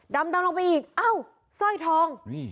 ดำลงไปอีกอ้าวสร้อยทอง